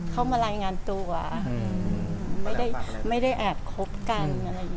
เข้ามารายงานตัวไม่ได้แอบคบกัน